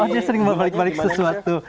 oh dia sering balik balik sesuatu